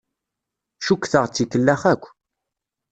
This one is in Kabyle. Cukkteɣ d tikellax akk.